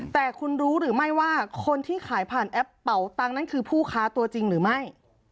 แต่คุณรู้หรือไม่ว่าคนที่ขายผ่านแอปเป่าตังค์นั้นคือผู้ค้าตัวจริงหรือไม่